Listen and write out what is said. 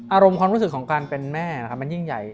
อารมณ์ความรู้สึกของการเป็นแม่นะครับมันยิ่งใหญ่